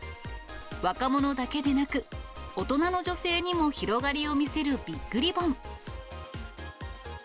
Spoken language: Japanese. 若者だけでなく、大人の女性にも広がりを見せるビッグリボン。